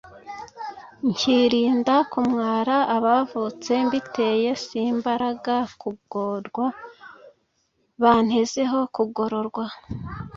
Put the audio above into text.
nkirinda kumwara abavutse mbiteye simbaraga kugorwa bantezeho kugororwa ?